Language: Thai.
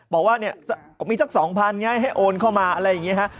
บอกว่าเนี่ยมีสัก๒๐๐ไงให้โอนเข้ามาอะไรอย่างนี้ฮะ